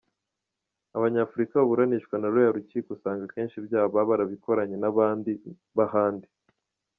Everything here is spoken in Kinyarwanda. Abanyafurika baburanishwa na ruriya rukiko usanga akenshi ibyaha baba barabikoranye n’abandi b’ahandi”.